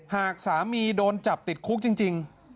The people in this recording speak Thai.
หากสามีโดนจับติดคุกจริง